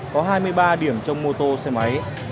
có hai mươi ba điểm trong mô tô xe máy